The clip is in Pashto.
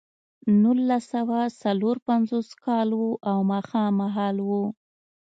نولس سوه څلور پنځوس کال و او ماښام مهال و